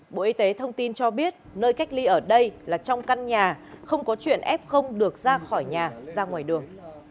bộ y tế thông tin cho biết nơi cách ly ở đây là trong căn nhà không có chuyện f được ra khỏi nhà ra ngoài đường